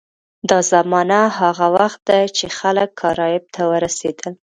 دا زمانه هغه وخت ده چې خلک کارایب ته ورسېدل.